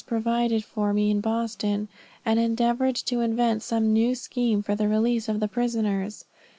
provided for me in Boston, and endeavored to invent some new scheme for the release of the prisoners.